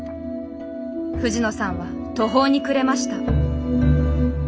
藤野さんは途方に暮れました。